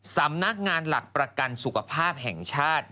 สำนักงานหลักประกันสุขภาพแห่งชาติ